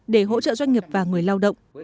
để hỗ trợ doanh nghiệp và người lao động